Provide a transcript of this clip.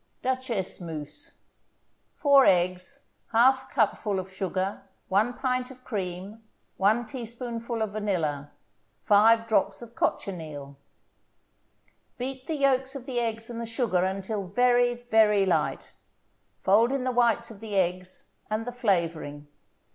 DUCHESS MOUSSE 4 eggs 1/2 cupful of sugar 1 pint of cream 1 teaspoonful of vanilla 5 drops of cochineal Beat the yolks of the eggs and the sugar until very, very light; fold in the whites of the eggs and the flavoring.